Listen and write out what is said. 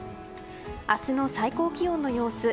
明日の最高気温の様子。